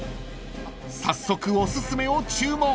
［早速おすすめを注文］